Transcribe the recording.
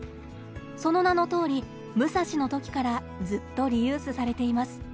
その名のとおり「武蔵ＭＵＳＡＳＨＩ」の時からずっとリユースされています。